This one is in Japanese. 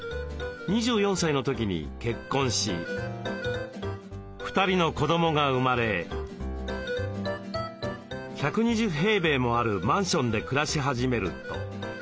２４歳の時に結婚し２人の子どもが生まれ１２０平米もあるマンションで暮らし始めると。